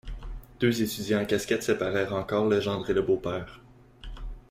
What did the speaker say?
Deux étudiants à casquettes séparèrent encore le gendre et le beau-père.